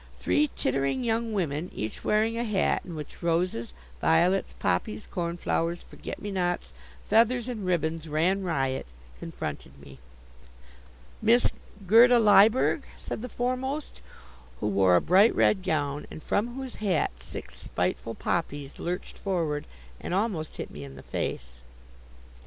Three tittering young women, each wearing a hat in which roses, violets, poppies, cornflowers, forget me nots, feathers and ribbons ran riot, confronted me. "Miss Gerda Lyberg?" said the foremost, who wore a bright red gown, and from whose hat six spiteful poppies lurched forward and almost hit me in the face.